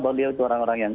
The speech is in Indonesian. beliau itu orang orang yang